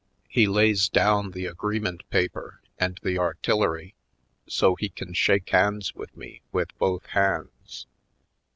He lays down the agreement paper and the artillery so he can shake hands with me with both hands.